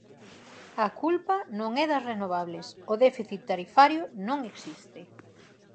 A culpa non é das renovables, o déficit tarifario non existe.